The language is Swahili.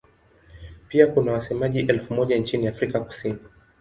Pia kuna wasemaji elfu moja nchini Afrika Kusini.